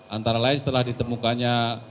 antara lain setelah ditemukannya